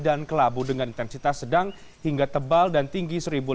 dan kelabu dengan intensitas sedang hingga tebal dan tinggi